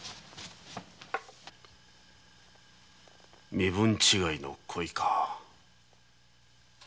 「身分違いの恋」か。